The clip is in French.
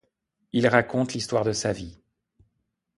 Il raconte l'histoire de sa vie.